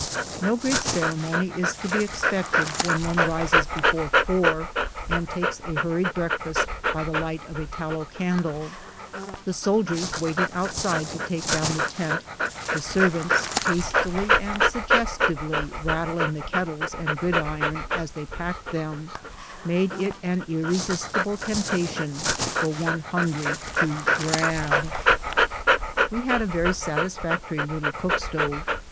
No great ceremony is to be expected when one rises before four, and takes a hurried breakfast by the light of a tallow candle ; the soldiers waiting outside to take down the tent, the servants hastily and suggestively rattling the kettles and gridiron as they packed them. CAVALRY ON THE MARCH. 39 made it an irresistible temptation for one hnngrj to "grab." We had a very satisfactory little cook stove.